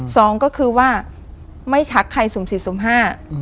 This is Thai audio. สองก็คือว่าไม่ชักใครสุ่มสี่สุ่มห้า